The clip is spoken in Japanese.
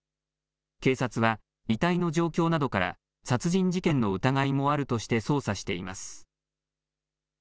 警察は遺体の状況などから殺人事件の疑いもあるとして捜査しています。